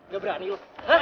gak berani lu